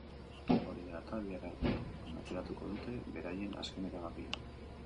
Hori dela eta, bihar arte atzeratuko dute beraien azken erabakia.